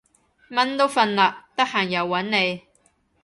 蚊都瞓喇，得閒又搵你